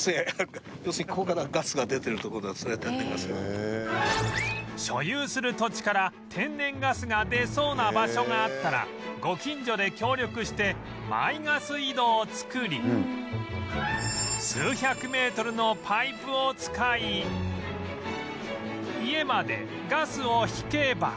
ここが所有する土地から天然ガスが出そうな場所があったらご近所で協力してマイガス井戸を作り数百メートルのパイプを使い家までガスを引けば